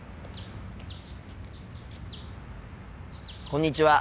こんにちは。